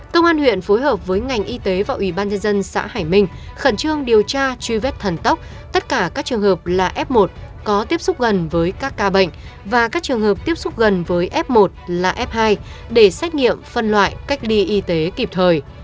công an huyện phối hợp với ngành y tế và ủy ban nhân dân xã hải minh khẩn trương điều tra truy vết thần tốc tất cả các trường hợp là f một có tiếp xúc gần với các ca bệnh và các trường hợp tiếp xúc gần với f một là f hai để xét nghiệm phân loại cách ly y tế kịp thời